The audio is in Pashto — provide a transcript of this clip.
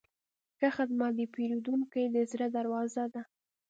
ښه خدمت د پیرودونکي د زړه دروازه ده.